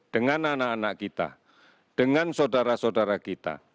dengan anak anak kita dengan saudara saudara kita